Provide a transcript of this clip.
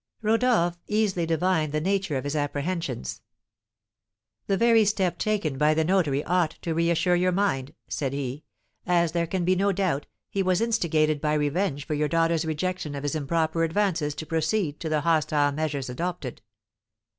Rodolph easily divined the nature of his apprehensions. "The very step taken by the notary ought to reassure your mind," said he, "as, there can be no doubt, he was instigated by revenge for your daughter's rejection of his improper advances to proceed to the hostile measures adopted.